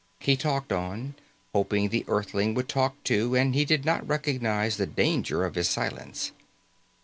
He talked on, hoping the Earthling would talk too, and he did not recognize the danger of his silence.